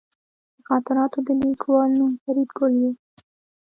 د خاطراتو د لیکوال نوم فریدګل و